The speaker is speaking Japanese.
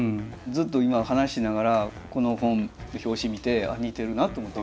ずっと今話しながらこの本表紙見て似てるなと思って。